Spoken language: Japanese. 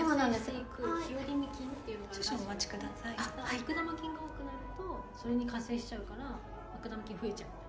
・悪玉菌が多くなるとそれに加勢しちゃうから悪玉菌増えちゃうって。